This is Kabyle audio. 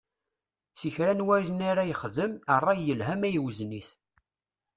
Si kra n wayen ara yexdem, ṛṛay, yelha ma iwzen-it.